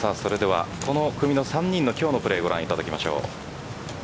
その組の３人の今日のプレーご覧いただきましょう。